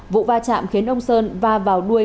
vụ va chạm khiến ông sơn va vào đuôi